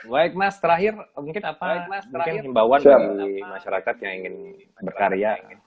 baik mas terakhir mungkin apa mungkin imbauan dari masyarakat yang ingin berkarya